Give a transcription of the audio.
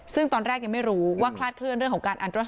ซึ่งตอนแรกยังไม่รู้ว่าคลาดเคลื่อน